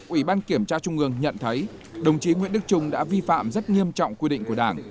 ủy ban kiểm tra trung ương nhận thấy đồng chí nguyễn đức trung đã vi phạm rất nghiêm trọng quy định của đảng